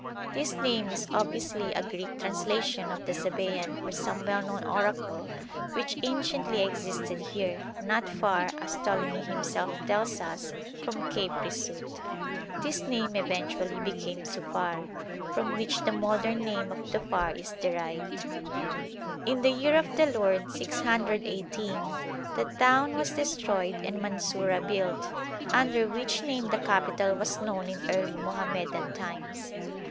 This name is obviously a Greek translation of the Sabæan for some well known oracle which anciently existed here, not far, as Ptolemy himself tells us, from Cape Risout. This name eventually became Zufar, from which the modern name of Dhofar is derived. In a.d. 618 the town was destroyed and Mansura built, under which name the capital was known in early Mohammedan times.